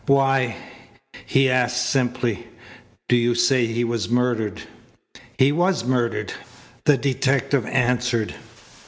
"Why," he asked simply, "do you say he was murdered?" "He was murdered," the detective answered.